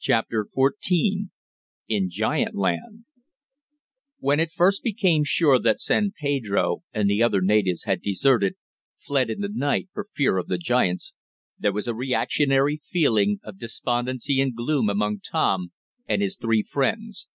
CHAPTER XIV IN GIANT LAND When it first became sure that San Pedro and the other natives had deserted fled in the night, for fear of the giants there was a reactionary feeling of despondency and gloom among Tom and his three friends.